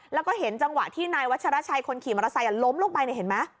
แล้วก็เห็นจังหวะที่นายวัชราชัยคนขี่มอเตอร์ไซค์ล้มลงไปเห็นไหม